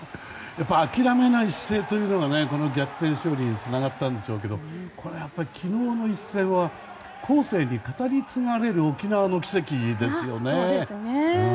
やっぱり諦めない姿勢が逆転勝利につながったんでしょうけど昨日の一戦は後世に語り継がれる沖縄の奇跡ですよね。